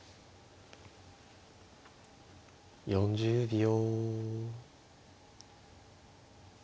４０秒。